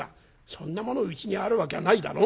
「そんなものうちにあるわきゃないだろう」。